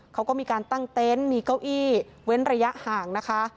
เขาก็มีการตั้งเต็นต์มีเก้าอี้เว้นระยะห่างนะคะ